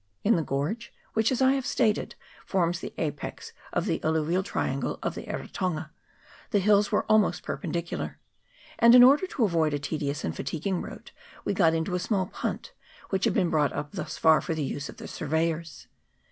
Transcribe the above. In the gorge, which, as I have stated, forms the apex of the alluvial triangle of the Eritonga, the hills were almost perpendicular ; and, in order to avoid a tedious and fatiguing road, we got into a small punt, which had been brought up thus far for the use of the surveyors.